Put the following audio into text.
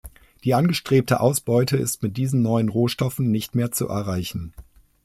Die angestrebte Ausbeute ist mit diesen neuen Rohstoffen nicht mehr zu erreichen.